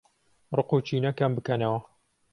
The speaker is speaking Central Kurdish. ڕقوکینە کەمبکەنەوە